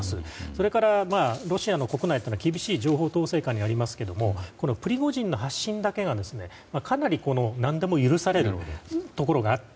それから、ロシアの国内は厳しい情報統制下にありますがプリゴジンの発信だけが、かなり何でも許されるところがあって。